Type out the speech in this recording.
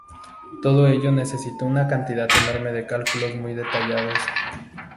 Todo ello necesitó una cantidad enorme de cálculos muy detallados.